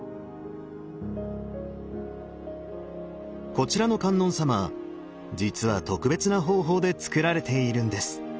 こちらの観音様実は特別な方法でつくられているんです。